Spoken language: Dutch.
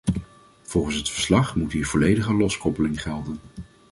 Volgens het verslag moet hier volledige loskoppeling gelden.